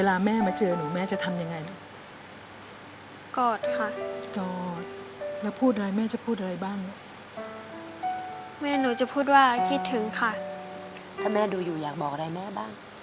สวัสดีครับ